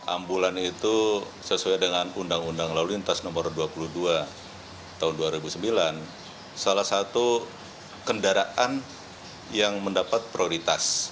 ambulan itu sesuai dengan undang undang lalu lintas nomor dua puluh dua tahun dua ribu sembilan salah satu kendaraan yang mendapat prioritas